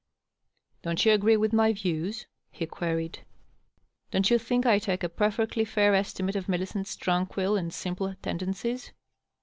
" Don't you agree with my views ?" he queried. " Don't you think I take a perfectly feir estimate of Millicent's tranquil and simple tendencies?"